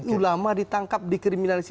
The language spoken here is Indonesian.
ulama ditangkap dikriminalisasi